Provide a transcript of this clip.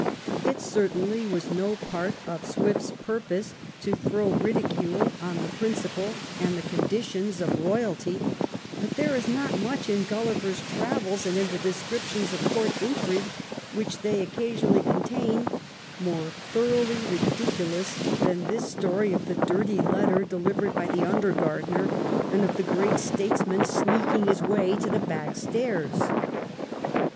It certainly was no part of Swift's purpose to throw ridicule on the principle and the conditions of royalty, but there is not much in Oulliver's Travels, and in the descriptions of court intrigue which they oocasion ly contain, more thoroughly ridiculous than this story of the dirty letter delivered by the under gardener and of the great statesman sneaking his way to the back stairs.